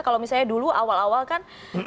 kalau misalnya dulu awal awal kan